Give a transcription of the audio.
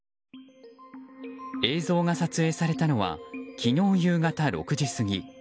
映像が撮影されたのは昨日夕方６時過ぎ。